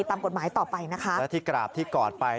ก็ความตำแหน่งความจะบรรพา